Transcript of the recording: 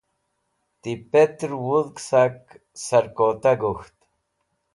ti petr wudg sak sarkota gokht